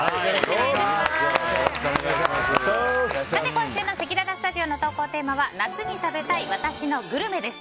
今週のせきららスタジオの投稿テーマは夏に食べたい私のグルメです。